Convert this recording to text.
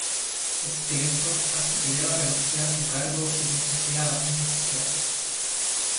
Este hecho hace que deba renunciar a su cargo de Consejera de Asuntos Sociales.